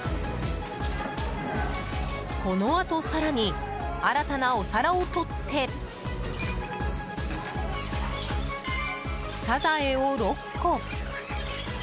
このあと更に新たなお皿をとってサザエを６個。